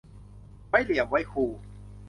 ไว้เหลี่ยมไว้คู